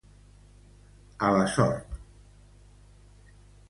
A la sort.